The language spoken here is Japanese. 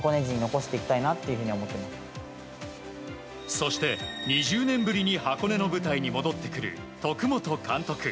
そして、２０年ぶりに箱根の舞台に戻ってくる徳本監督。